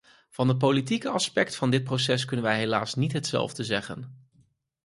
Van het politieke aspect van dit proces kunnen wij helaas niet hetzelfde zeggen.